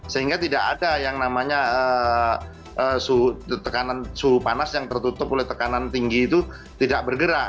sehingga tidak ada yang namanya tekanan suhu panas yang tertutup oleh tekanan tinggi itu tidak bergerak